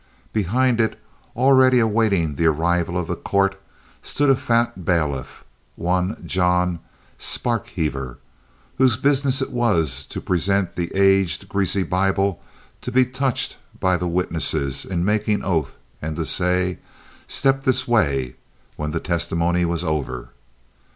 Behind it, already awaiting the arrival of the court, stood a fat bailiff, one John Sparkheaver whose business it was to present the aged, greasy Bible to be touched by the witnesses in making oath, and to say, "Step this way," when the testimony was over.